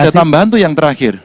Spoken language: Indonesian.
ada tambahan tuh yang terakhir